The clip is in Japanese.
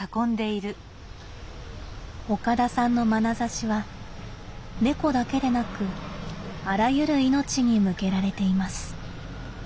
岡田さんのまなざしは猫だけでなくあらゆる命に向けられています。